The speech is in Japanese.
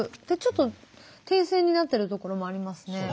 ちょっと点線になってるところもありますね。